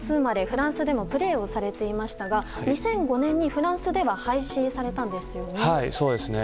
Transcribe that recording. フランスでもプレーされていましたが２００５年にフランスでは廃止されたんですよね。